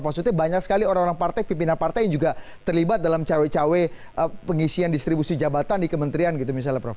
maksudnya banyak sekali orang orang partai pimpinan partai yang juga terlibat dalam cawe cawe pengisian distribusi jabatan di kementerian gitu misalnya prof